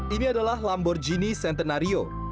ini adalah lamborghini centenario